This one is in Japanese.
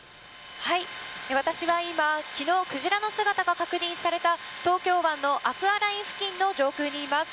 私は今、昨日クジラの姿が確認された東京湾のアクアライン付近の上空にいます。